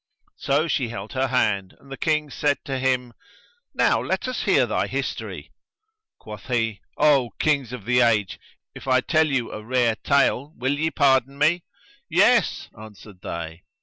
So she held her hand and the Kings said to him, "Now let us hear thy history." Quoth he, "O Kings of the Age, if I tell you a rare tale will ye pardon me?" "Yes," answered they.